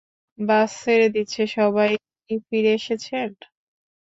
বাস ছেড়ে দিচ্ছে, সবাই কি ফিরে এসেছেন?